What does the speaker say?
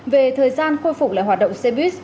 về thời gian khôi phục lại hoạt động xe buýt